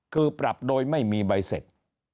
คือปรับโดยไม่มีใบเสร็จ